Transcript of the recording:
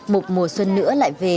một mùa xuân nữa lại về